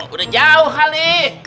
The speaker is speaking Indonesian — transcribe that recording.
udah jauh kali